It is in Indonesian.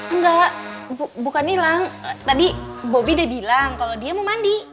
enggak bukan hilang tadi bobi udah bilang kalau dia mau mandi